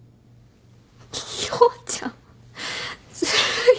陽ちゃんずるい。